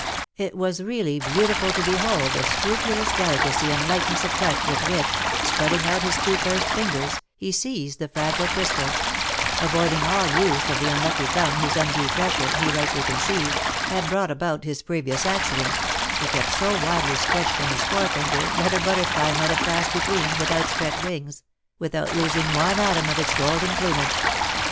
It was really beautiful to behold the scrupulous delicacy and lightness of touch with which, spreading out his two first fingers, he seized the fragile crystal; avoiding all use of the unlucky thumb whose undue pressure, he rightly conceived, had brought about his previous accident, he kept so widely stretched from his forefinger that a butterfly might have passed between, with outspread wings, without losing one atom of its golden plumage.